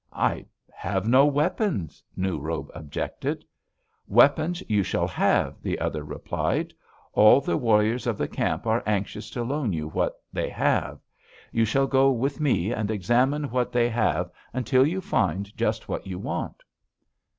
"'I have no weapons,' New Robe objected. "'Weapons you shall have,' the other replied. 'All the warriors of the camp are anxious to loan you what they have. You shall go with me and examine what they have until you find just what you want.'